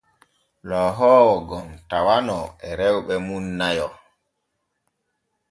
Loohoowo gom tawano e rewɓe mum nayo.